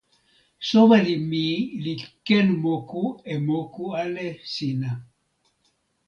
soweli mi li ken moku e moku ale sina.